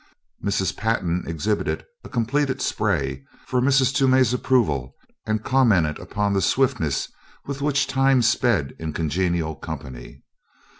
Mrs. Pantin exhibited a completed spray for Mrs. Toomey's approval and commented upon the swiftness with which time sped in congenial company.